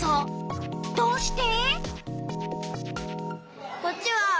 どうして？